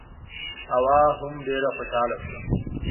حوا هم ډېره خوشاله شوه.